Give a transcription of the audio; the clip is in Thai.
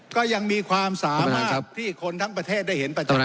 ก็ยังมีความสามารถที่คนทั้งประเทศได้เห็นไปตลอด